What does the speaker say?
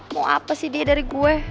mau apa sih dia dari gue